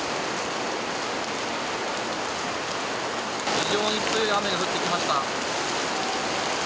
非常に強い雨が降ってきました。